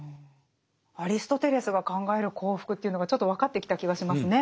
アリストテレスが考える幸福というのがちょっと分かってきた気がしますね。